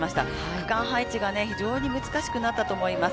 区間配置が非常に難しくなったと思います。